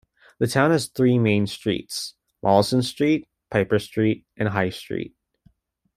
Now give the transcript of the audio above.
The town has three main streets: Mollison Street, Piper Street and High Street.